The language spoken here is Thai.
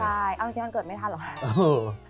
ใช่เอาจริงมันเกิดไม่ทันเหรอคะ